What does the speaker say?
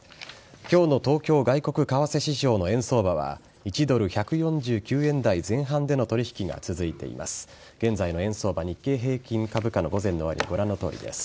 今日の東京外国為替市場の円相場は１ドル１４９円台前半での取引が続いています。